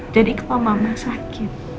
jadi kepala mama sakit